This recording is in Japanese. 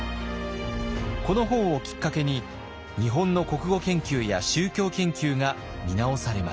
この本をきっかけに日本の国語研究や宗教研究が見直されました。